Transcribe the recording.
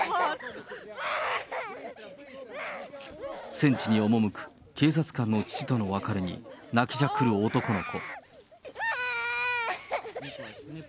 戦地に赴く警察官の父との別れに、泣きじゃくる男の子。